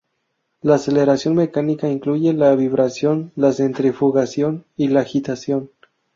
La aceleración mecánica incluyen la vibración, la centrifugación y la agitación.